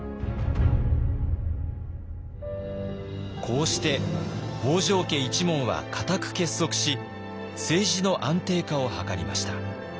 こうして北条家一門は固く結束し政治の安定化を図りました。